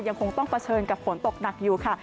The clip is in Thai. ยังคงต้องเผชิญกับฝนตกหนักอยู่ค่ะ